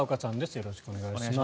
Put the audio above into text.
よろしくお願いします。